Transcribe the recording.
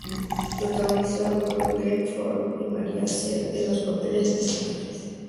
Protagonizada por Glenn Ford y María Schell en los papeles principales.